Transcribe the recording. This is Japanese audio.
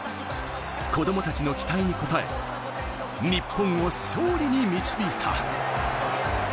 子供たちの期待に応え、日本を勝利に導いた。